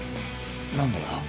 何だよ？